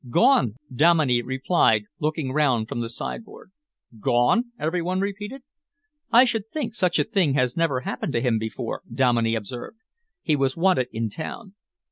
"Gone," Dominey replied, looking round from the sideboard. "Gone?" every one repeated. "I should think such a thing has never happened to him before," Dominey observed. "He was wanted in town."